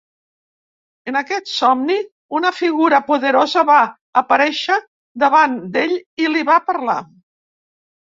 En aquest somni, una figura poderosa va aparèixer davant d'ell i li va parlar.